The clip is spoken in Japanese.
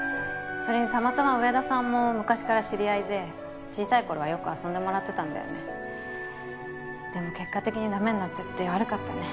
それにたまたま上田さんも昔から知り合いで小さい頃はよく遊んでもらってたんだよねでも結果的にダメになっちゃって悪かったね